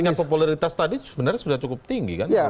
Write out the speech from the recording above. dengan popularitas tadi sebenarnya sudah cukup tinggi kan